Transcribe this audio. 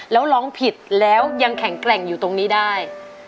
แล้วร้องผิดแล้วยังแข็งแกร่งอยู่ตรงนี้ได้